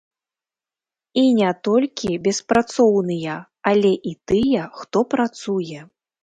І не толькі беспрацоўныя, але і тыя, хто працуе.